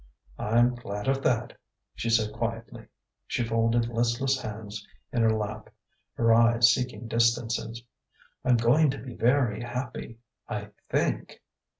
"I'm glad of that," she said quietly. She folded listless hands in her lap, her eyes seeking distances. "I'm going to be very happy ... I think...."